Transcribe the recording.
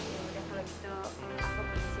ya udah kalau gitu aku pergi sedikit aja